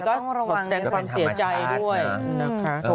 ก็แสดงความเสียใจด้วยนะคะ